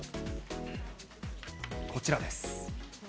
こちらです。